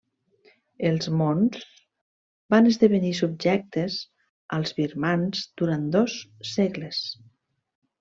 Els mons van esdevenir subjectes als birmans durant dos segles.